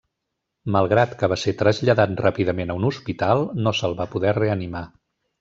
Malgrat que va ser traslladat ràpidament a un hospital, no se'l va poder reanimar.